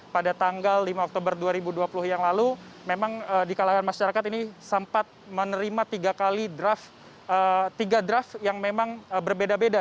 pada tanggal lima oktober dua ribu dua puluh yang lalu memang di kalangan masyarakat ini sempat menerima tiga draft yang memang berbeda beda